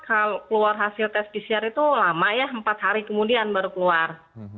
kalau keluar hasil tes pcr itu lama ya empat hari kemudian baru keluar